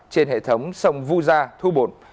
trên hệ thống sông vụ gia thu bồn